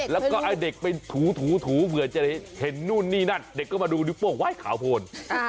แล้วก็เอาเด็กไปถูเผื่อจะเห็นนู่นนี่นั่นเด็กก็มาดูนิ้วโป้ขาวโพน